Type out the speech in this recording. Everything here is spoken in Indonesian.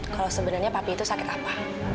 kalau sebenarnya papi itu sakit apa